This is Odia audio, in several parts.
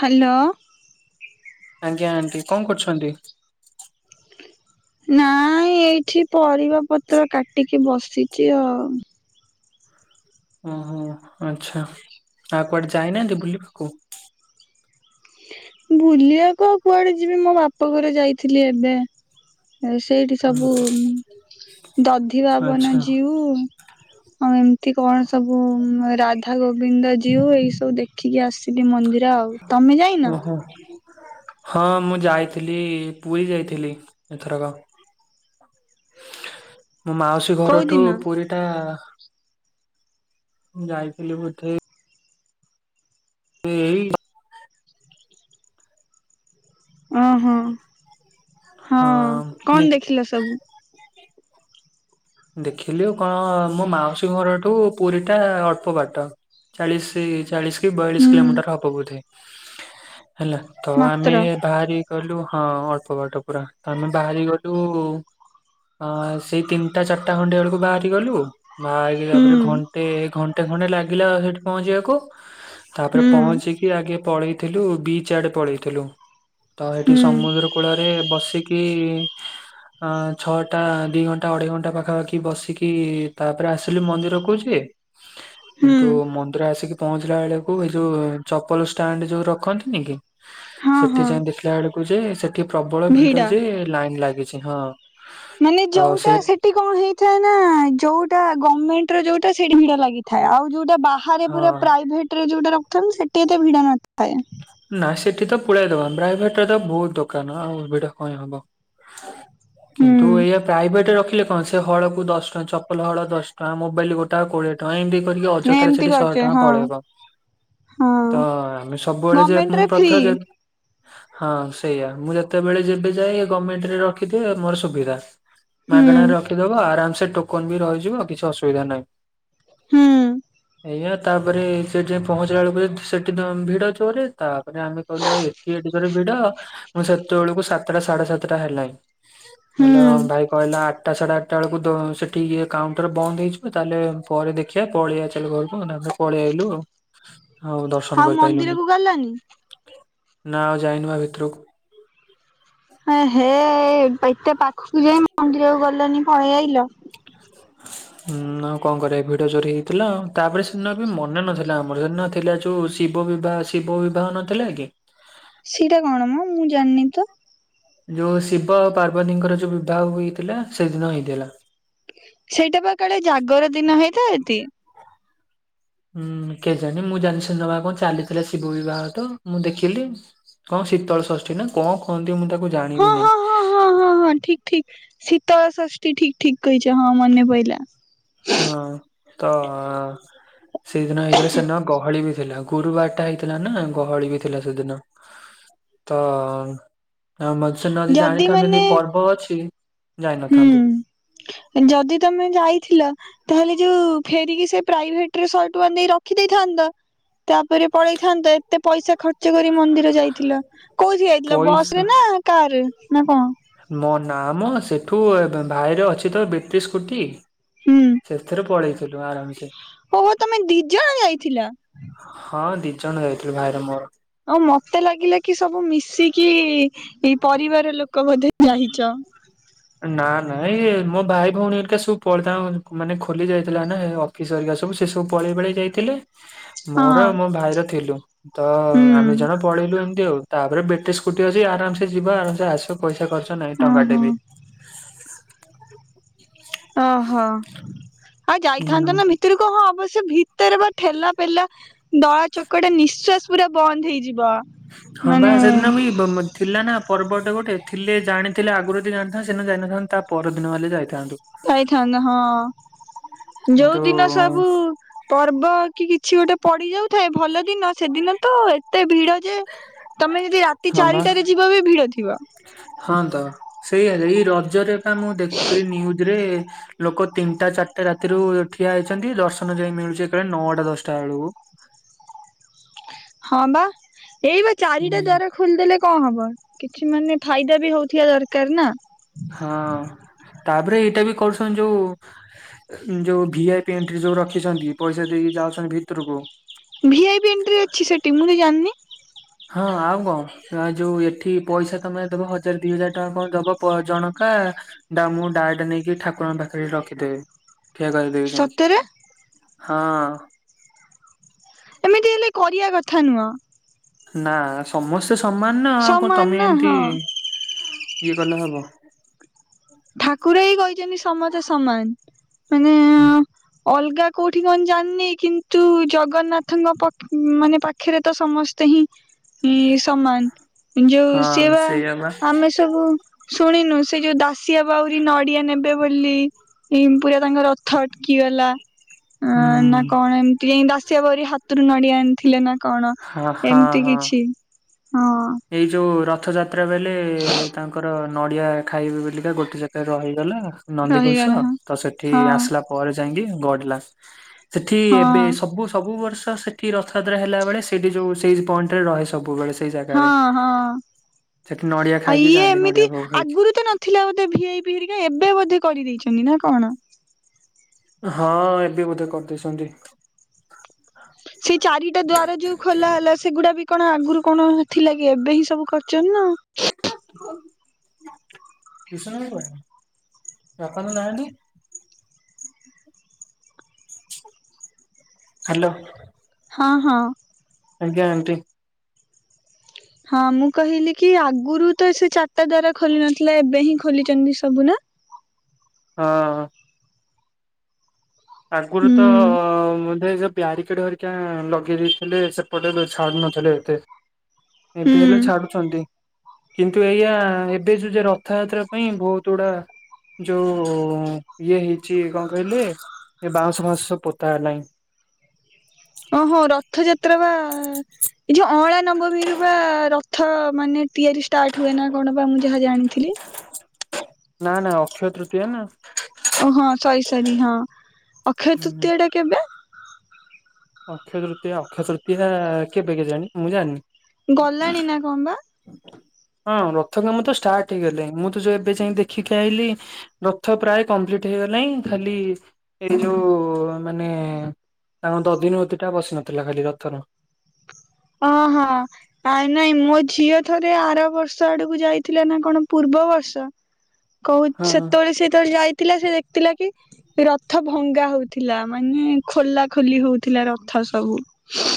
ହାଲୋ। ଆଜ୍ଞା ଆଣ୍ଟି ଙ୍କ କରୁଚନ୍ତି? ନାଇଁ ଏଇଠି ପରିବା ପତ୍ର କାଟିକି ବସିଚି ଆଉ। ଓହୋ ଆଛା ଆଉ କୁଆଡେ ଯାଇନାହାନ୍ତି ବୁଲିବାକୁ? ବୁଲିବାକୁ ଆଉ କୁଆଡେ ଯିବି ମୋ ବାପା ଘରେ ଯାଇଥିଲି ଏବେ। ତାପରେ ସେଇଠି ହୁଁ ସବୁ ଦଧି ଭାବନା ଆଚ୍ଛା ଯିଉ ଆଉ ଏମତି କଣ ସବୁ ରାଧା ଗୋବିନ୍ଦ ଜିଉ ଏଇ ସବୁ ଦେଖିକି ଆସିଲି ମନ୍ଦିର ଆଉ। ତମେ ଯାଇ ଓହୋ ହଁ ମୁଁ ଯାଇଥିଲି, ପୁରୀ ଯାଇଥିଲି ଏଥରକ। [inaudible] ମୋ ମାଉସୀ କୋଉ ଘରଠୁ ଦିନ? ପୁରୀ ଟା [inaudible] ଯାଇଥିଲି ବଧେଇ ଏଇ ଓହୋ, ହଁ କଣ ଦେଖିଲା ସବୁ? ଦେଖିଲୁ କଣ, ମୋ ମାଉସୀ ଘରଠୁ ପୁରୀ ଟା ଅଳ୍ପ ବାଟ। ଚାଳିଶ, ଚାଳିଶ କି ବୟାଳିଶ ହୁଁ କିଲୋମିଟର ହବ ବୋଧେ ହେଲା। ତ ମାତ୍ର ଆମେ ବାହାରି ଗଲୁ ହଁ, ଅଳ୍ପ ବାଟ ପୁରା ତ ଆମେ ବାହାରି ଗଲୁ ଅ ସେଇ ତିନିଟା ଚାରିଟା ଖଣ୍ଟେ ବେଳକୁ ବାହାରି ଗଲୁ, ବାହାରିକି ହୁଁ ତାପରେ ଘଣ୍ଟେ ଘ ଗୋଟେ ଖଣ୍ଡେ ଲାଗିଲା ସେଠି ପହଞ୍ଚିବାକୁ, ତାପରେ ହୁଁ ପହଞ୍ଚିକି ଆଗେ ପଳେଇଥିଲୁ ବିଚ୍ ଆଡେ ପଳେଇଥିଲୁ। ତ ଏଠି ହୁଁ ସମୁଦ୍ର କୂଳରେ ବସିକି, ଅ ଛଅଟା ଦି ଘଣ୍ଟା ଅଢେଇ ଘଣ୍ଟା ଟା ପାଖାପାଖି ବସିକି ତାପରେ ଆସିଲି ମନ୍ଦିର କହୁଛି ହୁଁ କିନ୍ତୁ ମନ୍ଦିର ଆସିକି ପହଞ୍ଚିଲା ବେଳେକୁ ଏ ଯୋଉ ଚପଲଷ୍ଟାଣ୍ଡ ଯୋଉ ରଖନ୍ତି ନ କି, ହଁ ସେଠି ହଁ ଯାଇ ଦେଖିଲା ବେଳକୁ ଯେ ଏଠି ପ୍ରବଳ ଭିଡ ଯେ ଲାଇନ୍ ଲାଗିଛି। ହଁ, ମାନେ ତ ଯୋଉଟା ସେଇ ସେଠି କଣ ହେଇଥାଏ ନା ଯୋଉଟା ଗମେଣ୍ଟ ର ଯୋଉଟା ସେ ଭିଡ ଲାଗିଥାଏ। ଆଉ ଯୋଉଟା ବା ରେ ହଁ ପୁରା ପ୍ରାଇଭେଟ ରେ ଯୋଉଟା ରଖିନ୍ତି, ସେଠି ଏତେ ଭିଡ ନଥାଏ। ନା ସେଠି ତ ପଳାଇ ଦବା ବାଇଭଟରେ ତ ବହୁତ ଦୋକାନ ଆଉଟା କ ହବ। ହୁଁ କିନ୍ତୁ ଏଇା ପ୍ରାଇଭେଟରେ ରଖିଲେ କଣ, ସେ ହଳକୁ ଦଶ ଟଙ୍କା, ଚପଲ ହଳ ଦଶ ଟଙ୍କା, ମୋବାଇଲ ଗୋଟେ କୋଡିଏ ଟଙ୍କା ଏମିତି କରିକି ନାଇଁ ଅଯଥାରେ ଏମିତି ସେଠି ଶହେ କରିଚେ ଟଙ୍କା ହଁ ପଳେଇବ। ହଁ ତ ଆମେ ସବୁ ଗଭର୍ଣମେଣ୍ଟ ରେ ଫ୍ରି [unintelligible] ହଁ ସେଇଆ, ମୁଁ ଯେତେବେଳେ ଯେବେ ଯାଏ, ଗଭର୍ଣ୍ଣମେଣ୍ଟରେ ରି ମୋର ସୁବିଧା ହୁଁ ମାଗଣରେ ରଖିଦବ ଆରାମ ସେ ଟୋକନ ବି ରହିଯିବ କିଛି ଅସୁବିଧା ନାହିଁ। ହଁ। ଆଜ୍ଞା ତାପରେ ସେଠି ପହଞ୍ଚିଲା ବେଳକୁ ସେଠି ଭିଡ ଅଛି। ତୋରେ ତାପରେ ଆମେ କହିଲୁ ଏଠି ଏଠିକୋରେ ଭିଡ। ମୁଁ ସେତେବେଳକୁ ସାତଟା ସାଢେ ସାତଟା ହେଲାଣି। ହେଲେ ହୁଁ ଭାଇ କହିଲା ଆଠଟା ସାଢ଼େ ଆଠଟା ବେଳକୁ ସେଠି ଇଏ କାଉଣ୍ଟର ବନ୍ଦ ହେଇଯିବ। ତାହେଲେ ପରେ ଦେଖିବା, ପଳେଇ ଚାଲେଲେ ଘରକୁ ନଲେ ପଳେଇ ଆଇଲୁ ଆଉ ଦର୍ଶନ କରିପାରଲୁନି। ମିଳିଲାନି। ନା ଆଉ ଯାଇନବା ଭିତରକୁ। ହେ ଏତେ ପାଖକୁ ଯାଇ ମନ୍ଦିରକୁ ଗଲନି ପଳେଇ ଆଇଲ। [inaudible] ହୁଁ ଆଉ କଣ କରିବା ଭିଡି ଚୋରି ହେଇଥିଲା, ତାପରେ ସେଦିନ ବି ମନେ ନଥିଲା ଆମର ସେଦ ଥିଲା ଯୋଉ ଶିବ ବିବାହ, ଶିବ ବିବାହ ନଥିଲା କି ସେଇଟା କଣ ମ ମୁଁ ଜାଣିନି ତ। ଯୋଉ ଶିବ ଆଉ ପାର୍ବତୀଙ୍କର ଯୋଉ ବିବାହ ହେଇଥିଲା, ସେଦିନ ହେଇଥିଲା। ସେଇଟା ବା କାଳେ ଜାଗର ଦିନ ହେଇଥାଏ ଟି। ହୁଁ କେଜାଣୀ ମୁଁ ଜାଣିନି ସେଦିନ କଣ ଚାଲିଥିଲା ଶିବ ବିବାହ ତ, ମୁଁ ଦେଖିଲି। କଣ ଶୀତଳ ଷଷ୍ଠୀ ନା କଣ କହନ୍ତି ମୁଁ ତାକୁ ହଁ, ଜାଣିବି ନାହିଁ। ହଁ, ହଁ, ହଁ, ହଁ, ହଁ ଠିକ। ଠିକ। ଶୀତଳ ଷଷ୍ଠୀ ଠିକ, ଠିକ କହିଛ। ହଁ ମନେ ପଇଲା। ହଁ, ତ ସେଦିନ ହେଇଥିଲା ସେଦିନ ଗହଳି ବି ଥିଲା। ଗୁରୁବାରଟା ହେଇଥିଲା ନା, ଗହଳି ବି ଥିଲା ସେଦିନ। ତ ମଦ ଯଦି ମାନେ ଜାଣିଥାନ୍ତେ ପର୍ବ ଅଛି ହୁଁ ଜାଇନଥାନ୍ତୁ ଯଦି ତମେ ଯାଇଥିଲ ତାହେଲେ ଯୋଉ ଫେରିକି ସେ ପ୍ରାଇଭେଟରେ ସହେ ଟଙ୍କା ଦେଇ ରଖିଦେଇଥାନ୍ତା। ତାପରେ ପଳେଇଥାନ୍ତ ଏତେ ପଇସା ଖର୍ଚ୍ଚ ଖର୍ଚ୍ଚ କରି ମନ୍ଦିର ଯାଇଥିଲ କଉଥି ଯାଇଥିଲ ବସ୍ ପଇସା ରେ ନା କାର୍ ରେ ନା କଣ? ମୋ ନାଁ ମ ସେଠୁ ଅ-ଭାଇର ଅଛି ତ ବେଟ୍ରୀ ସ୍କୁଟି ହୁଁ ସେଥିରେ ପଳେଇଥିଲୁ ଆରାମ୍ ସେ। ଓହୋ ତମେ ଦି ଜଣ ଯାଇଥିଲ। ହଁ ଦି ଜଣ ଯାଇଥିଲୁ ଭାଇର ମୋର। ଅଉ ମତେ ଲାଗିଲା କି ସବୁ ମିଶିକି ପରିବାର ଲୋକ ବୋଧେ ଯାଇଚ। ନା- ନା ଏଇ ମୋ ଭାଇ ଭଉଣୀ ହେରିକା ସବୁ ପଳେ [unintelligible] ତାଙ୍କ ମାନେ ଖୋଲି ଯାଇଥିଲା ନା ଏ-ଅଫ୍ ଅଫିସ୍ ହେରକା ସବୁ ସେ ସବୁ ପଳେଇ ପାଳେଇ ଯାଇଥିଲେ ହଁ ମୋର ମୋ ଭାଇର ଥିଲୁ ତ ଆମେ ହୁଁ ଜଣ ପଳେଇୁ ଏମିତି ଆଉ ତାପରେ ବେଟ୍ରୀ ସ୍କୁଟି ଅଛି ଆରାମ୍ ସେ ଯିବ ଆରାମ୍ ସେ ଆସିବ ପଇସା ଖର୍ଚ୍ଚ [unintelligible] ନାଇଁ ଟଙ୍କା ଓହୋ ଟେ ବି। ଓହୋ ଆଉ ହୁଁ। ଯାଇଥାନ୍ତ ନା ଭିତୁରୁକୁ ହଁ ଅବଶ୍ୟ ଭିତରେ ବା ଠେଲା ପେଲା ଦଳାଚକଟା ନିଶ୍ଵାସ ପୁରା ବନ୍ଦ୍ ହେଇଯିବ। ହଁ ବା ମାନେ ସେଦିନ ବି ବ-ମ୍ ଥିଲା ନା ପର୍ବଟେ ଗୋଟେ ଥିଲେ ଜାଣିଥିଲେ ଆଗୁରୁ ଯଦି ଜାଣିଥାନ୍ତି ସେଦିନ ଯାଇନଥାନ୍ତି ତା ପରଦିନ ହେଲେ ଯାଇ ଯାଇଥାନ୍ତ ହଁ ଯଉ କିନ୍ତୁ ଦିନ ସବୁ ପର୍ବ କି କିଛି ଗୋଟେ ପଡି ଯାଉଥାଏ ଭଲ ଦିନ ସେଦିନ ତ ଏତେ ଭିଡ ଯେ ତମେ ଯଦି ରାତି ହଁ ବା ଚାରିଟାରେ ଯିବ ବି ଭିଡ ଥିବ। ହଁ ତ ସେଇଆ ଏଇ ରଜରେ ପା ମୁଁ ଦେଖୁଥିଲି ନିଉଜ୍ ରେ ଲୋକ ତିନିଟା ଚାରିଟା ରାତିରୁ ଠିଆ ହେଇଚନ୍ତି ଦର୍ଶନ ଯାଇ ମିଳୁଚି ଏକାଳେ ନଅଟା ଦଶଟା ବେଳକୁ। ହଁ ବା ଏଇ ବା ଚାରିଟା ଦ୍ଵାରା ଖୋଲିଦେଲେ କଣ୍ ହବ କିଛି ମାନେ ଫାଇଦା ବି ହଉଥିବା ଦରକାର୍ ନା। ହଁ ତାପରେ ଏଇଟା ବି କରୁସନ୍ ଯଉ ଯଉ ଭିଆଇପି ଏଣ୍ଟ୍ରି ଯଉ ରଖିଚନ୍ତି ପଇସା ଦେଇକି ଯାଉଚନ୍ତି ଭିତରକୁ। ଭିଆଇପି ଏଣ୍ଟ୍ରି ଅଛି ସେଠି ମୁଁ ତ ଜାଣିନି। ହଁ ଆଉ କଣ୍। [unintelligible] ଯଉ ଏଠି ପଇସା ତମେ ଦବ ହଜାର ଦି ହଜାର ଟଙ୍କା କଣ ଦବ ପ-ଜଣକା ଡା- ମୁଁ ଡାଏଟ୍ ନେଇକି ଠାକୁରଙ୍କ ପାଖରେ ରଖିଦେବି ଠିଆ କର୍ [unintelligible] ସତରେ ହଁ। ଏମିତି ହେଲେ କରିବା କଥା ନୁହଁ। ନା ସମସ୍ତେ ସମାନ୍ ନା ଆଉ କଣ୍ ସମାନ ତମେ ନା ଏମିତି ହଁ ଇଏ କଲେ ହବ। ଠାକୁର ହିଁ କହିଚନ୍ତି ସମସ୍ତେ ସମାନ୍ ମାନେ ଅଲଗା କଉଠି କଣ୍ ଜାଣିନି କିନ୍ତୁ ଜଗନ୍ନାଥଙ୍କ ପ- ମାନେ ପା ଖେରେ ତ ସମସ୍ତେ ହିଁ ସମାନ୍ ଯଉ ହଁ ସିଏ ବା ସେଇଆ ଆମେ ତାକୁ ଶୁଣିନୁ ସେ ଯଉ ଦାସିଆ ବାଉରି ନଡିଆ ନେବେ ବୋଲି ଏ ପୁରା ତାଙ୍କର ରଥ ଅଟକି ଗଲା ଆଁ- ନା ହୁଁ କଣ୍ ଏମ୍ ତି ଦାସିଆ ବାଉରି ହାତୁରୁ ନଡିଆ ଆଣିଥିଲେ ନା କଣ ହଁ ହଁ ଏମିତି ହଁ। କିଛି। ହଁ। ଏଇ ଯଉ ରଥଯାତ୍ରା ବେଲେ ତାଙ୍କର ନଡ଼ିଆ ଖାଇବେ ବେଲିକା ଗୋଟେ ଜାଗାରେ ରହିଗଲା ନନ୍ଦିଘୋଷ ରହିଗଲା ହଁ ତ ସେଠି ହଁ ଆସିଲା ପରେ ଯାଇଁକି ଗଡିଲା ସେଥି ହଁ ଏବେ ସବୁ-ସବୁ ବର୍ଷ ସେ ଠି ରଥଯାତ୍ରା ହେଲା ବଳେ ସେଇଠି ଯଉ ସେଇ ପଏଣ୍ଟ୍ ଟାରେ ସବୁବେଳେ ସେଠି। ସେଇ ଜାଗାରେ। ହଁ-ହଁ ନଡିଆ ଆଉ ଖାଇକି ଇଏ ଯାଆନ୍ତି ନଡିଆ ଏମିତି ଭୋଗ ଖାଇକି। ଆଗୁରୁ ତ ନ ଥିଲା ବୋଧେ ଭିଆଇପି ହେରିକା ଏବେ ବୋଧେ କରିଦେଇଚନ୍ତି ନା କଣ? ହଁ ଏବେ ବୋଧେ କରିଦେଇଚନ୍ତି। ସେଇ ଚାରିଟା ଦ୍ଵାର ଯଉ ଖୋଲା ହେଲା ସେଗୁଡା ବି କଣ ଆଗୁରୁ କଣ ଥିଲା କି ଏବେ ହିଁ ସବୁ କରିଚନ୍ତି ନା ଆଉ। [inaudible] ହାଲୋ। ହଁ-ହଁ। ଆଜ୍ଞା ଆଣ୍ଟି। ହଁ ମୁଁ କହିଲି କି ଆଗୁରୁ ତ ସେ ଚାରିଟା ଦ୍ଵାରା ଖୋଲି ନଥିଲା ଏବେ ହିଁ ଖୋଲିଚନ୍ତି ସବୁ ନା? ହଁ। ଆଗରୁ ହୁଁ ତ ବୋଧେ ସେ ବ୍ୟାରିଗେଟ ଘରିକା ଲଗେଇ ଦେଇଥିଲେ ସେପଟେ ଛାଡୁ ନଥିଲେ ଏତେ। ହୁଁ ଏବେ ହେଲେ ଛାଡୁଛନ୍ତି। କିନ୍ତୁ ଏଇଆ ଏବେ ଯେ ରଥଯାତ୍ରା ପାଇଁ ବହୁତ ଗୁଡା ଯୋଉ ଇଏ ହେଇଛି କଣ କହିଲେ ଏ ବାଉଁଶ ଫାଉଁଶ ସବୁ ପୋତା ହେଲାଣି। ଓହୋ ରଥଯାତ୍ରା ବା ଏ ଯୋଉ ଅଁଳା ନବମୀରୁ ବା ର ଥ ମାନେ ତିଆରି ଷ୍ଟାର୍ଟ ହୁଏ ନା କଣ ବା ମୁଁ ଯାହା ଜାଣିଥିଲି। ନାଁ ନାଁ ଅକ୍ଷୟ ତୃତୀୟା ନା। ଓ ହଁ ସରି ସରି ହଁ ଅକ୍ଷୟ ତୃତୀୟ ଟା କେବେ? ଅକ୍ଷୟ ତୃତୀୟା ଅକ୍ଷୟ ତୃତୀୟା କେବେ କେଜାଣି ମୁଁ ଜାଣିନି। ଗଲାଣି ନା କଣ ବା? ହଁ ରଥ କାମ ତ ଷ୍ଟାର୍ଟ ହେଇଗଲାଣି ମୁଁ ତ ଯୋଉ ଏବେ ଯାଇ ଦେଖିକି ଆଇଲି। ରଥ ପ୍ରାୟ କମ୍ପ୍ଲିଟ ହେଇଗଲାଣି ଖାଲି ଏଇ ଯୋଉ ମାନେ ତାଙ୍କ ଦଧିନଉତି ଟା ବସି ନଥିଲା ଖାଲି ରଥର। ଓହୋ। ନାଇଁ ନାଇଁ ମୋ ଝିଅ ଥରେ ଆର ବର୍ଷ ଆଡକୁ ଯାଇଥିଲା ନା କଣ ପୂର୍ବ ବର୍ଷ। [inaudible] କହୁ ସେତେବେଳେ ସେ ଯେତେବେଳେ ଯାଇଥିଲା ସେ ଦେଖିଥିଲା କି ରଥ ଭଙ୍ଗା ହଉଥିଲା ମାନେ ଖୋଲା ଖୋଲି ହଉଥିଲା ରଥ ସବୁ। [inaudible]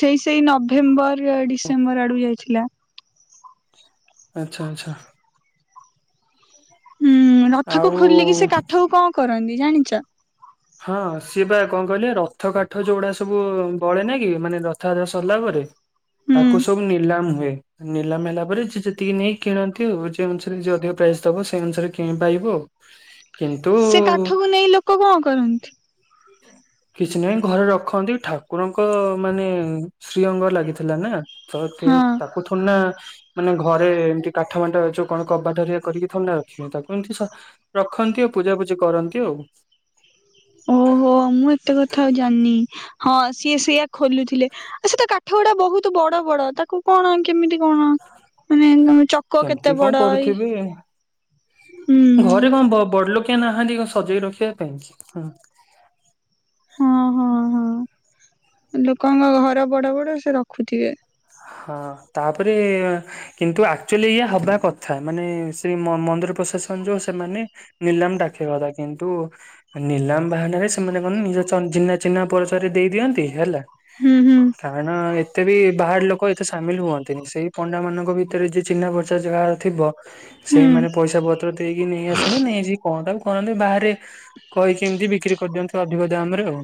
ସେଇ ସେଇ ନଭେମ୍ବର ଡିସେମ୍ବର ଆଡକୁ ଯାଇଥିଲା। ଆଚ୍ଛା ଆଚ୍ଛା। ହୁଁ ରଥକୁ ଆଉ ଖୋଲିକି ସେ କାଠକୁ କଣ କରନ୍ତି ଜାଣିଛ? ହଁ ସିଏ ବା କଣ କହିଲେ ରଥ କାଠ ଯୋଉଗୁଡା ସବୁ ବଳେ ନା କି ମାନେ ରଥଯାତ୍ରା ସରିଲା ପରେ ହୁଁ ତାକୁ ସବୁ ନିଲାମ୍ ହୁଏ। ନିଲାମ୍ ହେଲା ପରେ ଯିଏ ଯେତିକି ନେଇ କିଣନ୍ତି ଆଉ ଅନୁସାରେ ଯିଏ ଅଧିକ ପ୍ରାଇସ୍ ଦବ ସେଇ ଅନୁସାରେ କିଣି ପାରିବ ଆଉ। [unintelligible] ସେ କାଠକୁ ନେଇ ଲୋକ କଣ କରନ୍ତି? [inaudible] କିଛି ନାହିଁ ଘରେ ରଖନ୍ତି ଠାକୁରଙ୍କ ମାନେ ଶ୍ରୀ ଅଙ୍ଗ ଲାଗିଥିଲା ନା। ସ ତିରେ ହଁ ତାକୁ ଥନା। ମାନେ ଘରେ ଏମିତି କାଠ ମାଣ୍ଟ ଯୋଉ କଣ କବାଟରେ କରିକି ଥୋଉ ନାହାନ୍ତି ତାକୁ ଏମିତି ସ ରଖନ୍ତି ଆଉ ପୂଜାପୂଜି କରନ୍ତି ଆଉ। ଓହୋ ମୁଁ ଏତେ କଥା ଆଉ ଜାଣିନି ହଁ ସିଏ ସେୟଆ ଖୋଲୁଥିଲେ। ଆ ସେତ କାଠ ଗୁଡା ବହୁତ ବଡ ବଡ ତାକୁ କଣ କେମିତି କଣ ମାନେ ଚ କେମତି କଣ କରୁଥିବେ ହୁଁ। ଆଉ ଘରେ କଣ ବ ବଡ ଲୋକ କେହି ନାହାନ୍ତି କଣ ସଜେଇ ରଖିବା ପାଇଁ ହୁଁ। ହଁ ହଁ ହଁ ଲୋକଙ୍କ ଘର ବଡ ବଡ ସେ ରଖୁଥିବେ। ହଁ ତାପରେ କିନ୍ତୁ ଆକ୍ଚୁଲି ଏଇଆ ହବା କଥା ମାନେ ସେ ମ ମନ୍ଦିର ପ୍ରଶାସନ ଯୋଉ ସେମାନେ। ନିଲାମ ଡାକିବା କଥା କିନ୍ତୁ ନିଲାମ ବାହାନାରେ ସେମାନେ କଣ ନିଜ ଚିହ୍ନା ଚିହ୍ନା ପରିଚୟରେ ଦେଇ ଦିଅନ୍ତି ହେଲା। ହୁଁ ହୁଁ। କାରଣ ଏତେ ବି ବାହାର ଲୋକ। ଲୋକ ଏତେ ସାମିଲ ହୁଅନ୍ତିନି ସେଇ ପଣ୍ଡା ମାନଙ୍କ ଭିତରେ ଯିଏ ଚିହ୍ନା ପର୍ଚ ଯାହାର ଥିବ ହୁଁ ସେଇମାନେ ପଇସା ପତ୍ର ଦେଇକି ନେଇ ଆସନ୍ତି ନେଇ ଯାଇକି କଣ ତାକୁ କରନ୍ତି ବାହାରେ। କହିକି ଏମିତି ବିକ୍ରି କରିଦିଅନ୍ତି ଅଧିକ ଦାମ ରେ ଆଉ।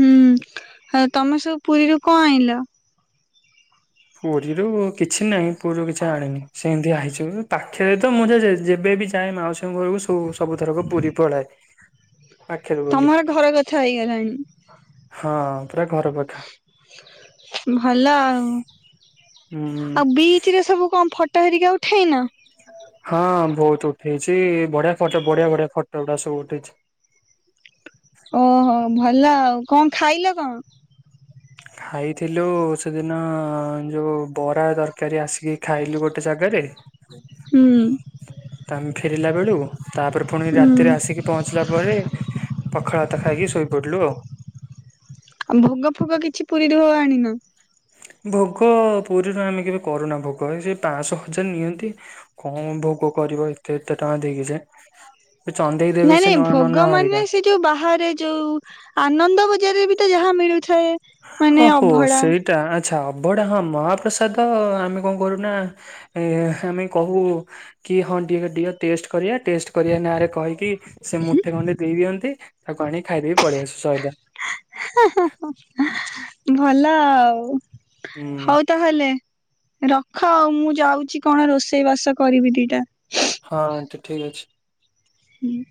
ହୁଁ ଆଉ ତମେ ସବୁ ପୁରୀରୁ କଣ ଆଣିଲ। ପୁରୀରୁ କିଛି ନାହିଁ ପୁରୀରୁ କିଛି ଆଣିନି। ସେମିତି ଆଇଛି ପାଖରେ ତ ମୁଁ ଯେ ଯେବେ ବିି ଯାଏ ମାଉସୀଙ୍କ ଘରକୁ ସ ସବୁଥରକୁ ପୁରୀ ପଳାଏ। ପାଖରେ ବୋଲି ତମର ଘର କଥା ହେଇଗଲାଣି। ହଁ ପୁରା ଘର ପାଖ। ଭଲ ଆଉ ହୁଁ ଆଉ ବିଚ ରେ ସବୁ କଣ ଫଟ ଘଟିକା ଉଠେଇନ। ହଁ ବହୁତ ଉଠେଇଛି ବଢିଆ ଫଟୋ ବଢିଆ ବଢିଆ ଫଟୋ ଗୁଡା ସବୁ ଉଠିଛି। ଓହୋ ଭଲ ଆଉ କଣ ଖାଇଲ କଣ? ଖାଇଥିଲୁ ସେଦିନ ଯୋଉ ବରା ତରକାରୀ ଆସିକି ଖାଇଲୁ ଗୋଟେ ଗୋଟେ ଜାଗାରେ ହୁଁ। ତାପରେ ଫେରିଲା ବେଳକୁ ତାପରେ ପୁଣି ହୁଁ। ରାତିରେ ଆସିକି ପହଞ୍ଚିଲା ପରେ ପଖାଳ ଭାତ ଖାଇକି ଶୋଇପଡିଲୁ ଆଉ। ଆଉ ଭୋଗ ଫୋଗ କିଛି ପୁରୀରୁ ଆଣିନ। ଭୋଗ ପୁରୀରୁ ଆମେ କେବେ କରୁନା ଭୋଗ ସେ ପାଞ୍ଚଶହ ହଜାର ନିଅନ୍ତି। କଣ ଭୋଗ କରିବ ଏତେ ଏତେ ଟଙ୍କା ଦେଇକି ଯେ। ସେ ଚନ୍ଦେଇ ନାଇଁ ଦେବେ ନାଇଁ ସେ ଭୋଗ ନନା ମାନେ ଘରିକା। ସେ ଯୋଉ ବାହାରେ ଯୋଉ ଆନନ୍ଦ ବଜାରରେ ବି ତ ଯାହା ମିଳୁଥାଏ। ହ ମାନେ ହୋ ଅଭଡା ସେଇଟା ଆଚ୍ଛା ଅବଢା ହଁ ମହାପ୍ରସାଦ ଆମେ କଣ କରୁନା ଏ ଆମେ କହୁ କି ହଁ ଟ ଟେଷ୍ଟ କରିବା ଟେଷ୍ଟ କରିବା ନାଁରେ କହିକି ସେ ମୁଠେ ଖଣ୍ଡେ ଦେଇ ଦିଅନ୍ତି ତାକୁ ଆଣିକି ଖାଇଦେଇ କି ପଲେଇ ଆସୁ ସଇଲା। ହେଁ ହେଁ ହେଁ ଭଲ ଆଉ। ହୁଁ। ହଉ ତାହେଲେ ରଖ ଆଉ ମୁଁ ଯାଉଛି କଣ ରୋଷେଇ ବାସ କରିବି ଦିଟା। ହଁ ଆଣ୍ଟି ଠିକ୍ ଅଛି। ହୁଁ।